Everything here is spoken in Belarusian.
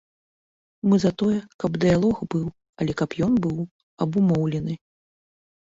Мы за тое, каб дыялог быў, але каб ён быў абумоўлены.